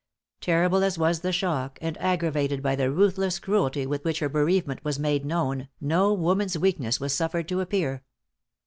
Terrible as was the shock, and aggravated by the ruthless cruelty with which her bereavement was made known, no woman's weakness was suffered to appear.